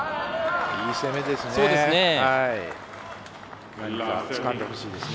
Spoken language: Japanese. いい攻めですね。